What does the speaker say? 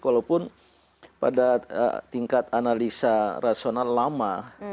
walaupun pada tingkat analisa rasional lama